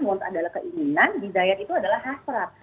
walt adalah keinginan desire itu adalah hasrat